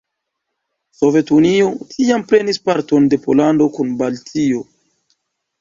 Sovetunio tiam prenis parton de Pollando kun Baltio.